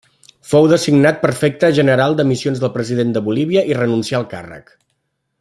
Fou designat Prefecte general de Missions pel President de Bolívia i renuncià al càrrec.